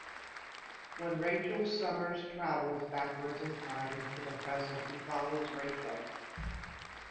When Rachel Summers travels backwards in time to the present, he follows Rachel.